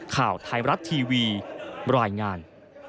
ข่าวไทยมรัฐทีวีรายงาน